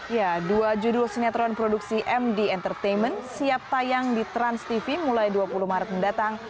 ya dua judul sinetron produksi md entertainment siap tayang di transtv mulai dua puluh maret mendatang